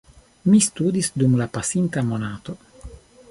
Mi studis dum la pasinta monato.